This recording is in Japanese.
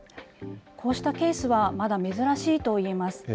こうしたケースはまだ珍しいと言えます。